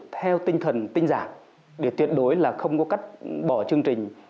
theo tinh thần tinh giảm để tuyệt đối là không có cách bỏ chương trình